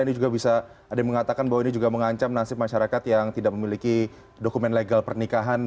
ini juga bisa ada yang mengatakan bahwa ini juga mengancam nasib masyarakat yang tidak memiliki dokumen legal pernikahan